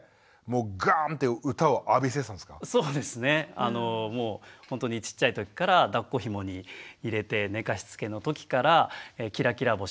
あのもうほんとにちっちゃいときからだっこひもに入れて寝かしつけのときから「きらきらぼし」